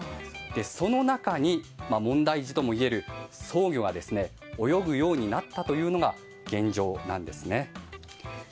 その中に問題児ともいえるソウギョが泳ぐようになったというのが現状なんですね。